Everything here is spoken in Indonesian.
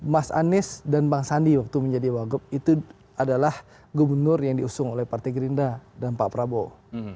mas anies dan bang sandi waktu menjadi wagup itu adalah gubernur yang diusung oleh partai gerindra dan pak prabowo